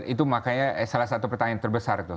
itu makanya salah satu pertanyaan terbesar tuh